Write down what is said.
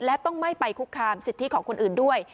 และต้องไม่ไปคุกคามสิทธิของคนอื่นด้วย